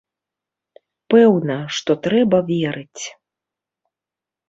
Пэўна, што трэба верыць.